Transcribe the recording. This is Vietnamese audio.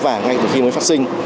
và ngay từ khi mới phát sinh